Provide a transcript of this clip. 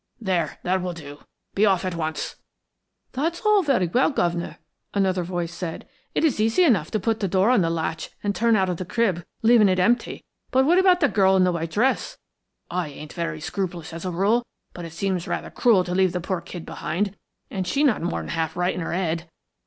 There, that will do. Be off at once." "That's all very well, guv'nor," another voice said. "It is easy enough to put the door on the latch and turn out of the crib, leaving it empty, but what about the girl in the white dress? I ain't very scrupulous as a rule, but it seems rather cruel to leave the poor kid behind and she not more than half right in her head."